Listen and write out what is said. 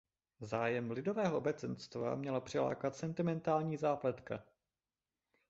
Zájem lidového obecenstva měla přilákat sentimentální zápletka.